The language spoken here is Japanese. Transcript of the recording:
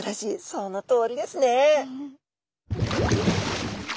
そのとおりですね。